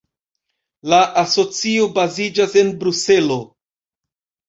La asocio baziĝas en Bruselo.